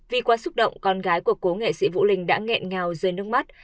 vì quá xúc động con gái của cổ nghệ sĩ vũ linh đã nghẹn nhào rơi nước mắt